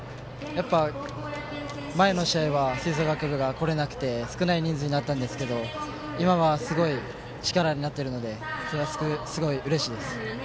やっぱ、前の試合は吹奏楽部が来れなくて少ない人数になったんですけど今はすごい力になっているのですごいうれしいです。